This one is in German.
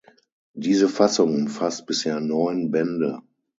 Diese Fassung umfasst bisher neun Bände.